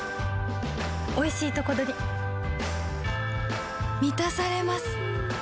おいしいとこどりみたされます